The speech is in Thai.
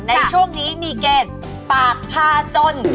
ในช่วงนี้มีเกณฑ์ปากพาจน